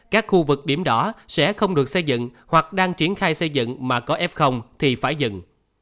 các khu vực điểm đó sẽ không được xây dựng hoặc đang triển khai xây dựng mà có f thì phải dừng